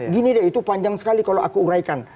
gini deh itu panjang sekali kalau aku uraikan